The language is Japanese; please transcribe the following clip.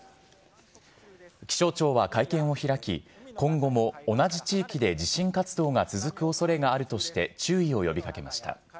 気象庁は会見を開き、今後も同じ地域で地震活動が続くおそれがあるとして、注意を呼びかけました。